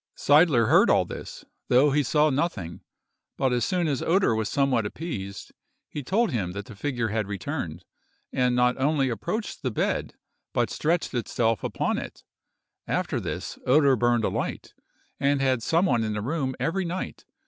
Seidler heard all this, though he saw nothing; but as soon as Oeder was somewhat appeased, he told him that the figure had returned, and not only approached the bed, but stretched itself upon it. After this, Oeder burned a light, and had some one in the room every night.